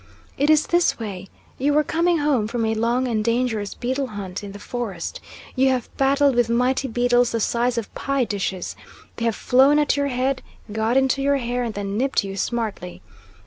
It is this way: you are coming home from a long and dangerous beetle hunt in the forest; you have battled with mighty beetles the size of pie dishes, they have flown at your head, got into your hair and then nipped you smartly.